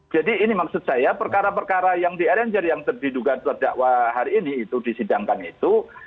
jadi ini maksud saya perkara perkara yang di arranger yang diduga terdakwa hari ini itu disidangkan itu